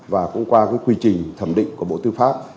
và cũng qua quy trình thẩm định của bộ tư pháp